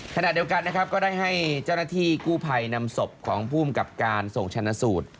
ขณะเดียวกันนะครับก็ได้ให้เจ้าหน้าที่กู้ภัยนำศพของภูมิกับการส่งชนะสูตร